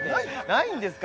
ないんですか？